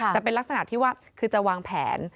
แต่เป็นลักษณะที่ว่าคือจะวางแผน